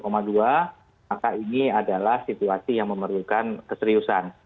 maka ini adalah situasi yang memerlukan keseriusan